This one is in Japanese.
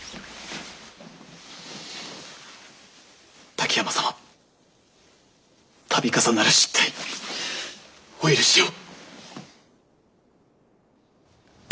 滝山様度重なる失態お許しを。